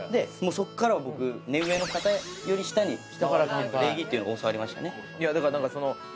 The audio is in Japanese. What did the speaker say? そっからは僕目上の方より下に礼儀っていうのを教わりましたね。